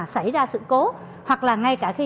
xảy ra sự cố hoặc là ngay cả khi